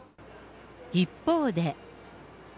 一方で。